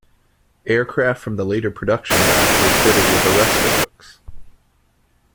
Aircraft from the later production batch were fitted with arrestor hooks.